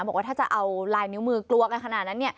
บอกว่าถ้าจะเอาลายนิ้วมือกลัวกันขนาดนั้น